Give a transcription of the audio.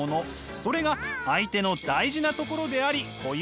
それが相手の大事なところであり固有性なのです！